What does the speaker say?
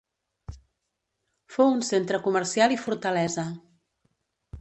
Fou un centre comercial i fortalesa.